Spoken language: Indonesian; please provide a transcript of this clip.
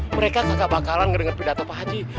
mereka kagak bakalan ngedengar pidato pak aji